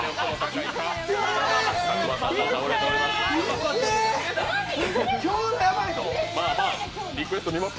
佐久間さんも倒れております。